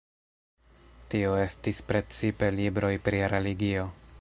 Tio estis precipe libroj pri religio.